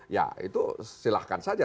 ya itu silahkan saja